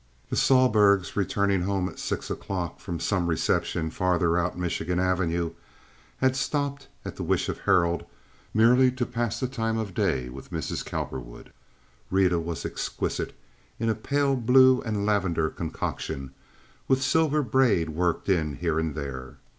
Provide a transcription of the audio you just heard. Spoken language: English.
The Sohlbergs, returning home at six o'clock from some reception farther out Michigan Avenue, had stopped, at the wish of Harold, merely to pass the time of day with Mrs. Cowperwood. Rita was exquisite in a pale blue and lavender concoction, with silver braid worked in here and there.